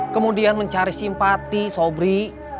kemudian mencari simpati sobri